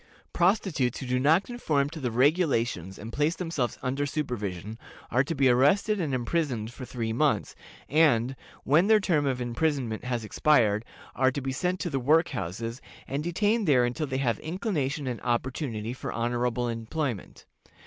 Prostitutes who do not conform to the regulations and place themselves under supervision, are to be arrested and imprisoned for three months, and, when their term of imprisonment has expired, are to be sent to the "work houses," and detained there until they have inclination and opportunity for honorable employment.